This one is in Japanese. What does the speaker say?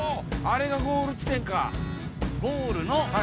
あれがゴール地点か。